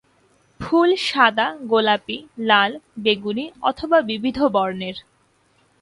ফুল সাদা, গোলাপী, লাল, বেগুনি অথবা বিবিধ বর্ণের।